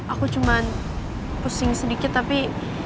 aku cuma pusing sedikit tapi